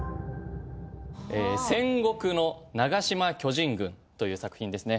『戦国の長嶋巨人軍』という作品ですね。